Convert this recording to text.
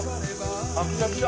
シャキシャキだ。